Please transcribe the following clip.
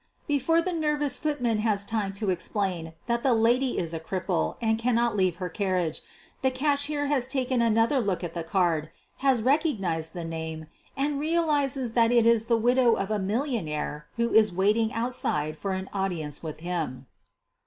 Before the nervous footman has time to explain that the lady is a cripple and cannot leave her car riage the cashier has taken another look at the card, 222 SOPHIE LYONS has recognized the name, and realizes that it is the widow of a millionaire who is waiting outside for an audience with him.